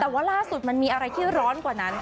แต่ว่าล่าสุดมันมีอะไรที่ร้อนกว่านั้น